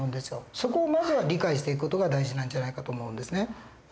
そこをまずは理解していく事が大事なんじゃないかと思うんですね。